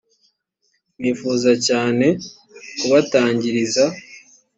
nifuza cyane kubatangariza